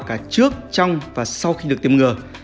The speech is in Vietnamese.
cả trước trong và sau khi được tiêm ngừa